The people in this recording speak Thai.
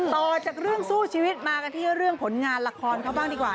ต่อจากเรื่องสู้ชีวิตมากันที่เรื่องผลงานละครเขาบ้างดีกว่า